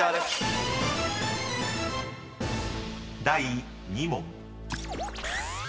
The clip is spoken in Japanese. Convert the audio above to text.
［第２問］